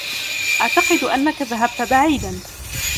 أعتقد أنك ذهبت بعيدا.